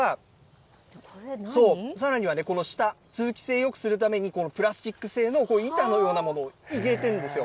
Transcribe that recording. さらには、この下、通気性よくするために、プラスチック製の板のようなものを入れているんですよ。